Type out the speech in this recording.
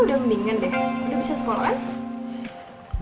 udah bisa sekolah kan